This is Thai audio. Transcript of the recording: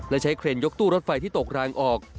และใช้เครนยกตู้รถไฟที่ตกรางออก